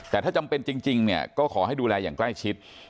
แต่ถ้าจำเป็นจริงเนี่ยก็ขอให้ดูแลอย่างใกล้ชิด